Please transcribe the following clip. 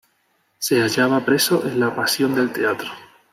Se hallaba preso en la pasión del teatro.